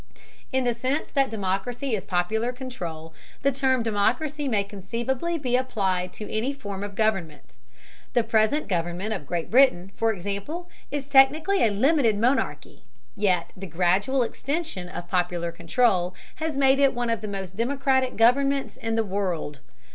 In the sense that democracy is popular control, the term democracy may conceivably be applied to any form of government. The present government of Great Britain, for example, is technically a limited monarchy, yet the gradual extension of popular control has made it one of the most democratic governments in the world.